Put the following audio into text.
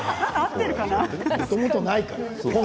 もともとないから。